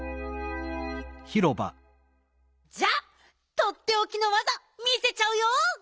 じゃあとっておきのわざ見せちゃうよ！